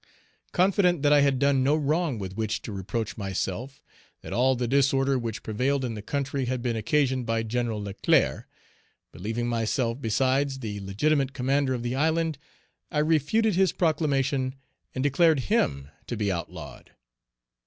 Confident that I had done no wrong with which to reproach myself, that all the disorder which prevailed in the country had been occasioned by Gen. Leclerc; believing myself, besides, the legitimate commander of the island, I refuted his proclamation and declared him to be outlawed.